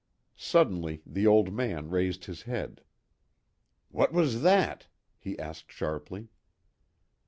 Suddenly the old man raised his head: "What was that?" he asked sharply.